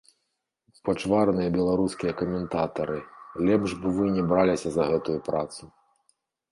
Пачварныя беларускія каментатары, лепш бы вы не браліся за гэтую працу!!!